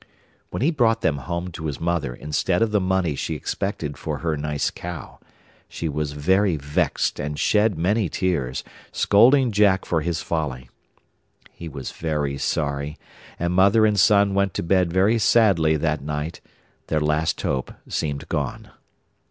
When he brought them home to his mother instead of the money she expected for her nice cow, she was very vexed and shed many tears, scolding Jack for his folly. He was very sorry, and mother and son went to bed very sadly that night; their last hope seemed gone.